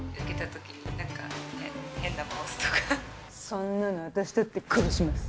そんなの私だって殺します。